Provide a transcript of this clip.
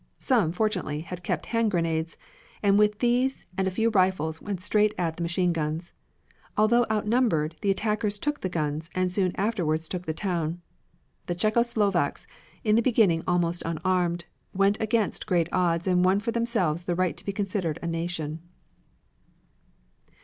Some, fortunately, had kept hand grenades, and with these and a few rifles went straight at the machine guns. Although outnumbered, the attackers took the guns and soon afterward took the town. The Czecho Slovaks, in the beginning almost unarmed, went against great odds and won for themselves the right to be considered a nation.